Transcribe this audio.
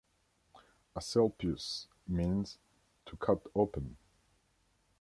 Asclepius means "to cut open".